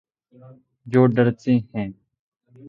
جو ڈرتے ہیں